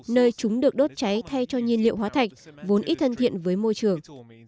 nơi chúng được đốt cháy thay cho nhiên liệu hóa thạch vốn ít thân thiện với môi trường